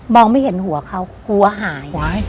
มองไม่เห็นหัวเขาหัวหาย